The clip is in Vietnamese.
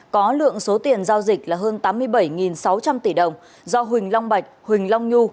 có lượng số tiền giao dịch là hơn tám mươi bảy sáu trăm linh tỷ đồng do huỳnh long bạch huỳnh long nhu